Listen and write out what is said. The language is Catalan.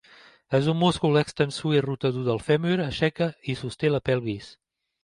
És un múscul extensor i rotador del fèmur; aixeca i sosté la pelvis.